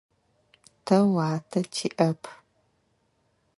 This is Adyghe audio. Тэ уатэ тиӏэп.